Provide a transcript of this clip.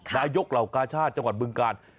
นายกเหลากาชาจังหวัดเบื้องการ